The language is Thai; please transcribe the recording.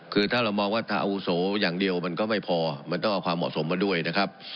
คือถ้าเรามองว่าถ้าอาวุโสอย่างเดียวมันก็ไม่พอมันต้องเอาความเหมาะสมมาด้วยนะครับ